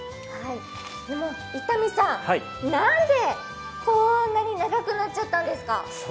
伊丹さん、何でこんなに長くなっちゃったんですか？